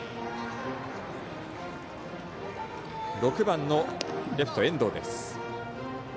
６番のレフト、遠藤。